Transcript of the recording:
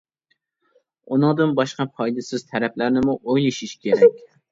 ئۇنىڭدىن باشقا پايدىسىز تەرەپلەرنىمۇ ئويلىشىش كېرەك.